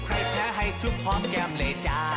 แคล้แคล้ให้ชุบพร้อมแก้มเลยจ้า